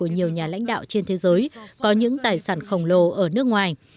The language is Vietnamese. nhiều nhà lãnh đạo trên thế giới có những tài sản khổng lồ ở nước ngoài